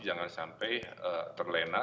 jangan sampai terlena